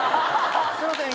すいません。